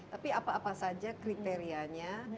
tapi apa apa saja kriterianya